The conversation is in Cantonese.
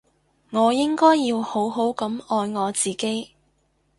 我應該要好好噉愛我自己